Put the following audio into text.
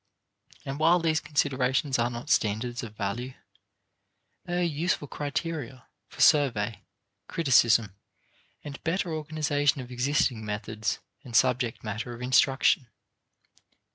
And while these considerations are not standards of value, they are useful criteria for survey, criticism, and better organization of existing methods and subject matter of instruction.